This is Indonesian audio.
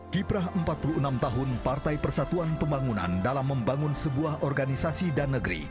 kiprah empat puluh enam tahun partai persatuan pembangunan dalam membangun sebuah organisasi dan negeri